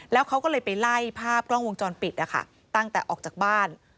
แล้วเขาก็เลยไปไล่ภาพกล้องวงจรปิดนะคะตั้งแต่ออกจากบ้าน